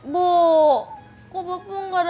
bu kok bapak gak dateng dateng ya